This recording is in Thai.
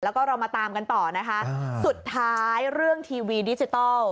แล้วก็เรามาตามกันต่อนะคะสุดท้ายเรื่องทีวีดิจิทัล